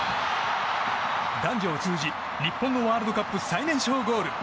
男女を通じ日本のワールドカップ最年少ゴール。